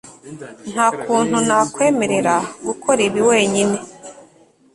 nta kuntu nakwemerera gukora ibi wenyine